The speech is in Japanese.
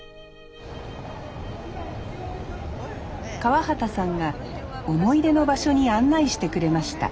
河鰭さんが思い出の場所に案内してくれました